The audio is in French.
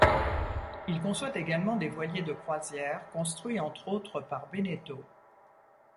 Il conçoit également des voiliers de croisière, construits entre autres par Bénéteau.